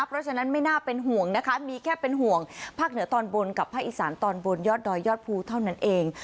เพราะฉะนั้นไม่น่าเป็นห่วงนะคะมีแค่เป็นห่วงภาคเหนือตอนบนกับภาคอีสานตอนบนยอดดอยยอดภูเท่านั้นเอง